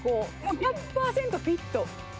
１００％フィット。